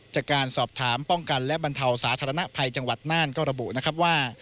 จากการสอบถามป้องกันและบรรเทาสาธารณภัยจังหวัดน่านก็ระบุนะครับว่า